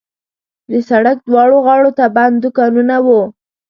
د سړک دواړو غاړو ته بند دوکانونه وو.